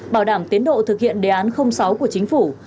bảo đảm tiến độ thực hiện đề án sáu của chính phủ